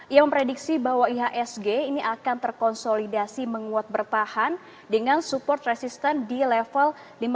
ia memprediksi bahwa ihsg ini akan terkonsolidasi menguat bertahan dengan support resistant di level enam tujuh puluh sembilan